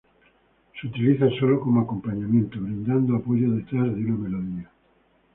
Se utiliza sólo como acompañamiento, brindando apoyo detrás de una melodía.